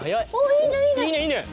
いいねいいね！